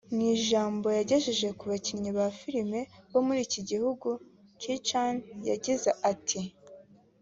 Mu ijambo yagejeje ku bakinnyi ba filime bo muri iki gihugu Kirchner yagize ati